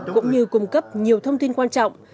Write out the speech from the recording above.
cũng như cung cấp nhiều thông tin quan trọng